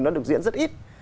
nó được diễn rất ít